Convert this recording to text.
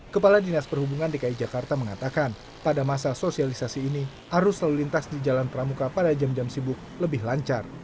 kepala dinas perhubungan dki jakarta mengatakan pada masa sosialisasi ini arus lalu lintas di jalan pramuka pada jam jam sibuk lebih lancar